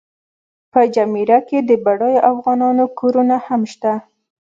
په جمیره کې د بډایو افغانانو کورونه هم شته.